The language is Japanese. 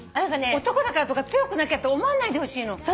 男だからとか強くなきゃって思わないでほしいの。